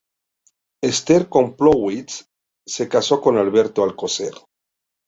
Esther Koplowitz se casó con Alberto Alcocer.